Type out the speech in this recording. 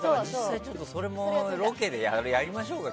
実際、それもロケでやりましょうか。